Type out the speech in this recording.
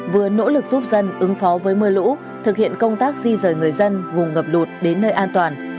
vừa nỗ lực giúp dân ứng phó với mưa lũ thực hiện công tác di rời người dân vùng ngập lụt đến nơi an toàn